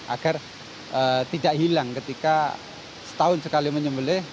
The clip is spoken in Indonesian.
agar tidak hilang ketika setahun sekali menyembelih